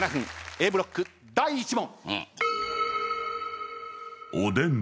Ａブロック第１問。